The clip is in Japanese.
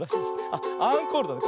あっアンコールだね。